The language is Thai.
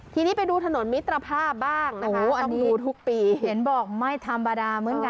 ทีนี้ไปดูถนนมิตรภาพบ้างนะคะต้องดูทุกปีเห็นบอกไม่ธรรมดาเหมือนกัน